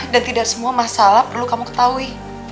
dan tidak semua masalah perlu kamu ketahui